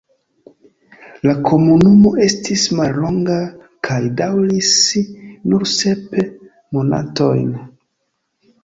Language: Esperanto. La komunumo estis mallonga kaj daŭris nur sep monatojn.